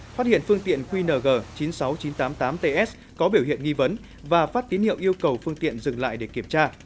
phát hiện phương tiện qng chín mươi sáu nghìn chín trăm tám mươi tám ts có biểu hiện nghi vấn và phát tín hiệu yêu cầu phương tiện dừng lại để kiểm tra